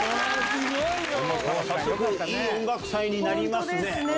早速いい音楽祭になりますね。